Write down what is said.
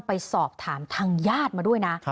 ไปสอบถามทางญาติมาด้วยนะ